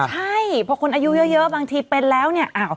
ใช่พอคนอายุเยอะบางทีเป็นแล้วเนี่ย